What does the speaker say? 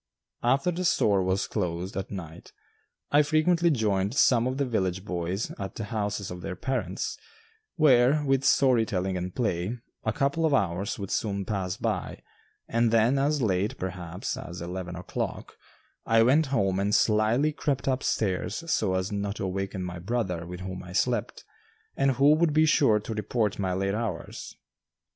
After the store was closed at night, I frequently joined some of the village boys at the houses of their parents, where, with story telling and play, a couple of hours would soon pass by, and then as late, perhaps, as eleven o'clock, I went home and slyly crept up stairs so as not to awaken my brother with whom I slept, and who would be sure to report my late hours.